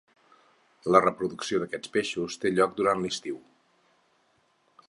La reproducció d'aquests peixos té lloc durant l'estiu.